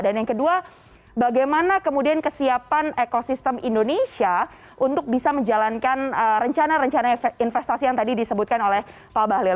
dan yang kedua bagaimana kemudian kesiapan ekosistem indonesia untuk bisa menjalankan rencana rencana investasi yang tadi disebutkan oleh pak balil